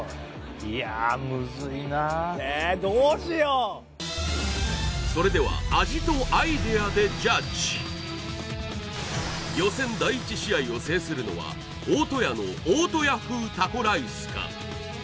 いやそれでは味とアイデアでジャッジ予選第１試合を制するのは大戸屋の大戸屋風タコライスか？